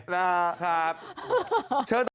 นะครับครับ